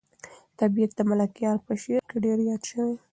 طبیعت د ملکیار په شعر کې ډېر یاد شوی.